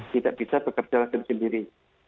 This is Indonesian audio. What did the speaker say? tidak bisa bekerja sendiri